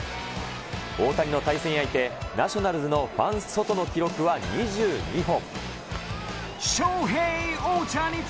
大谷の対戦相手、ナショナルルズのフアン・ソト選手の記録は２２本。